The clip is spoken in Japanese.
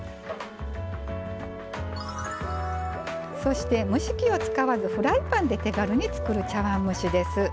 そして蒸し器を使わずフライパンで手軽に作る茶碗蒸しです。